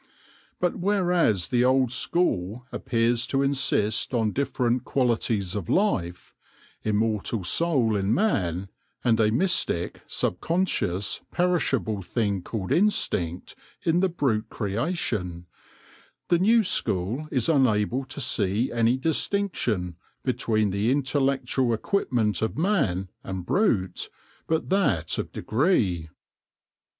But whereas the old school appears to insist on different qualities of life — im mortal soul in man, and a mystic, sub conscious, perishable thing called instinct in the brute creation — the new school is unable to see any distinction between the intellectual equipment of man and brute, but that of degree.